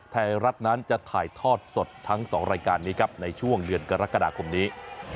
ไทยรัฐนั้นจะถ่ายทอดสดทั้ง๒รายการนี้ครับในช่วงเดือนกรกฎาคมนี้